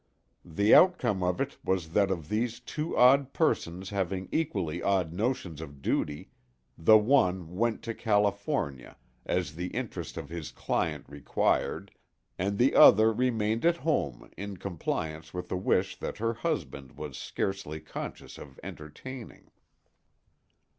The outcome of it was that of these two odd persons having equally odd notions of duty, the one went to California, as the interest of his client required, and the other remained at home in compliance with a wish that her husband was scarcely conscious of entertaining.